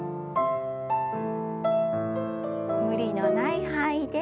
無理のない範囲で。